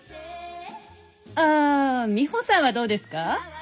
あミホさんはどうですか？